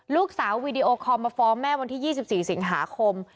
ลูกสาววิดีโอคอมมาฟอร์มแม่วันที่๒๔สิงหาคม